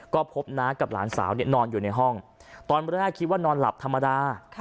ก็พบน้ากับหลานสาวนอนอยู่ในห้องตอนแรกคิดว่านอนหลับธรรมดา